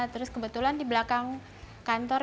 terus kebetulan di belakang kantor